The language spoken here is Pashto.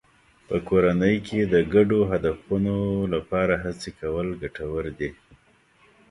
په کورنۍ کې د ګډو هدفونو لپاره هڅې کول ګټور دي.